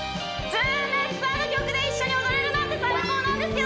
純烈さんの曲で一緒に踊れるなんて最高なんですよ！